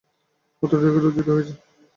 উত্তরাধিকারী অর্জিত হয়েছে?